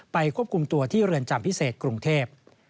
ควบคุมตัวที่เรือนจำพิเศษกรุงเทพ